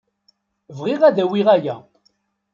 Bɣiɣ ad d-awiɣ aya.